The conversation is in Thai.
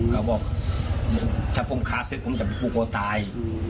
เขาบอกถ้าผมขาดเสร็จผมจะไปผูกคอตาย